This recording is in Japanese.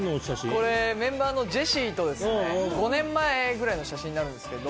これメンバーのジェシーと５年前ぐらいの写真になるんですけど。